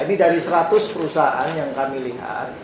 ini dari seratus perusahaan yang kami lihat